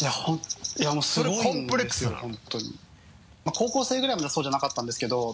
高校生ぐらいまではそうじゃなかったんですけど。